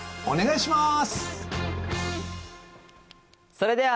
それでは。